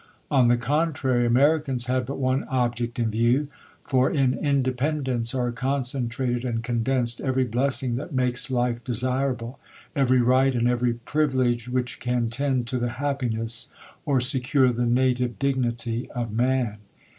On the contrary, Americans had but one object in view, for in Independence are concentrated and con densed every blessing that makes life desirable, every right and every privilege which can tend to the hap piness or secure the native dignity of man.